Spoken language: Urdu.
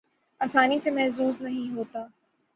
آسانی سے محظوظ نہیں ہوتا